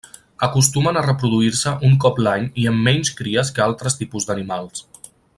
Acostumen a reproduir-se un cop l'any i amb menys cries que altres tipus d'animals.